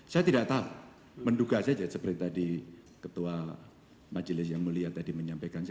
saya tidak tahu menduga saja seperti tadi ketua majelis yang mulia tadi menyampaikan